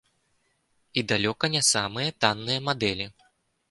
І далёка не самыя танныя мадэлі.